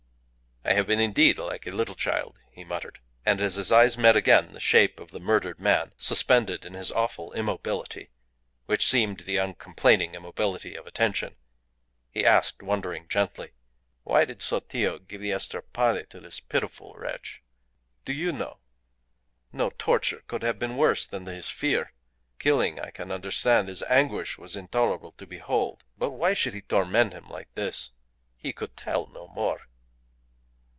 "I have been indeed like a little child," he muttered. And as his eyes met again the shape of the murdered man suspended in his awful immobility, which seemed the uncomplaining immobility of attention, he asked, wondering gently "Why did Sotillo give the estrapade to this pitiful wretch? Do you know? No torture could have been worse than his fear. Killing I can understand. His anguish was intolerable to behold. But why should he torment him like this? He could tell no more."